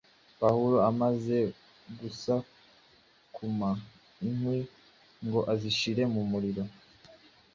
Pawulo amaze gusakuma “inkwi ngo azishyire mu muriro,”